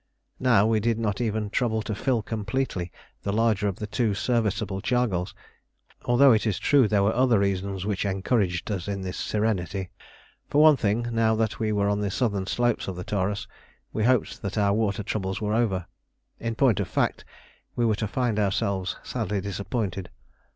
Now we did not even trouble to fill completely the larger of the two serviceable chargals, although it is true there were other reasons which encouraged us in this serenity. For one thing, now that we were on the southern slopes of the Taurus, we hoped that our water troubles were over. In point of fact, we were to find ourselves sadly disappointed.